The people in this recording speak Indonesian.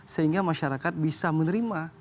sehingga masyarakat bisa menerima